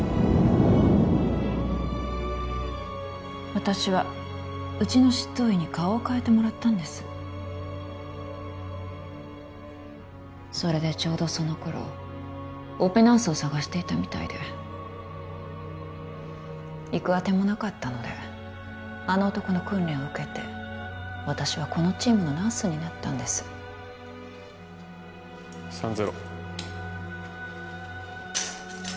私はうちの執刀医に顔を変えてもらったんですそれでちょうどその頃オペナースを探していたみたいで行くあてもなかったのであの男の訓練を受けて私はこのチームのナースになったんです３−０